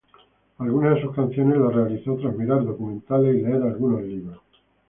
Algunas de sus canciones las realizó tras mirar documentales y leer algunos libros.